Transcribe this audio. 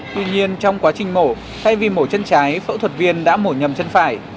tuy nhiên trong quá trình mổ thay vì mổ chân trái phẫu thuật viên đã mổ nhầm chân phải